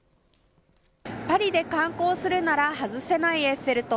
パリで観光するなら外せないエッフェル塔。